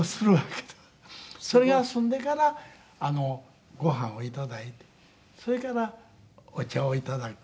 それが済んでからご飯を頂いてそれからお茶を頂く。